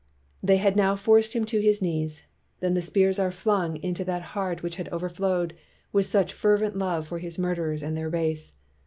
' "They had now forced him to his knees. Then the spears are flung into that heart which had overflowed with such fervent love for his murderers and their race.